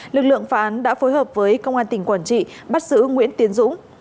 lực lượng phá án đã phối hợp với công an tỉnh quảng trị bắt giữ nguyễn tiến dũng